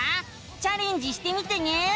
チャレンジしてみてね！